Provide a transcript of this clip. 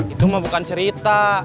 itu mah bukan cerita